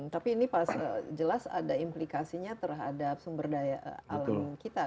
tapi ini jelas ada implikasinya terhadap sumber daya alam kita